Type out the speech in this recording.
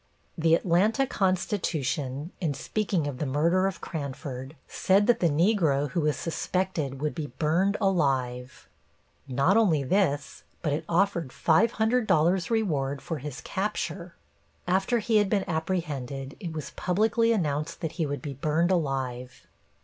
The Atlanta Constitution, in speaking of the murder of Cranford, said that the Negro who was suspected would be burned alive. Not only this, but it offered $500 reward for his capture. After he had been apprehended, it was publicly announced that he would be burned alive.